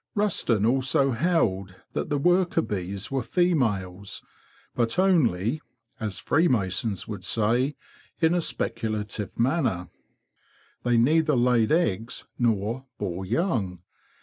Rusden also held that the worker bees were females, but only—as Freemasons would say—in a speculative manner. They neither laid eggs nor bore young.